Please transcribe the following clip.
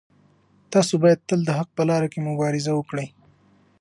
تاسو باید تل د حق په لاره کې مبارزه وکړئ.